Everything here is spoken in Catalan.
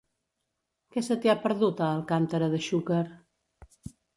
Què se t'hi ha perdut, a Alcàntera de Xúquer?